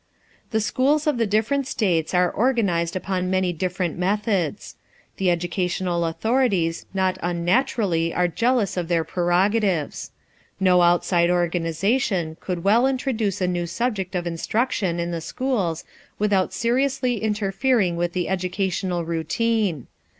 The schools of the different States are organized upon many different methods. The educational authorities not unnaturally are jealous of their prerogatives. No outside organization could well introduce a new subject of instruction in the schools without seriously interfering with the educational routine.